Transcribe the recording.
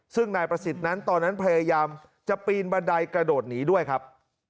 ซึ่งนายประสิทธิ์นั้นตอนนั้นพยายามจะปีนบันไดกระโดดหนีด้วยครับ